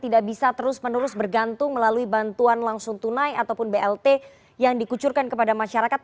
tidak bisa terus menerus bergantung melalui bantuan langsung tunai ataupun blt yang dikucurkan kepada masyarakat